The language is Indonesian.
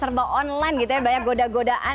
semua serba online banyak goda godaan